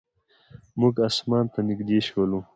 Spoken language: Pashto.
موږ اسمان ته نږدې شولو.